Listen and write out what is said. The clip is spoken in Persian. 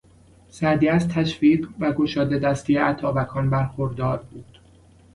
سعدی از تشویق و گشاده دستی اتابکان برخوردار بود.